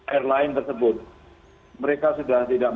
airline tersebut mereka sudah tidak